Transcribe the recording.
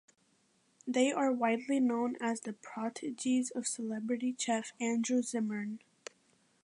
They are widely known as the proteges of celebrity chef Andrew Zimmern.